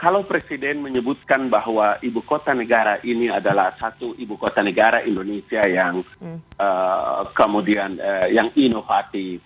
kalau presiden menyebutkan bahwa ibu kota negara ini adalah satu ibu kota negara indonesia yang kemudian yang inovatif